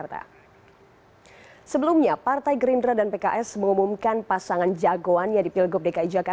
terima kasih pak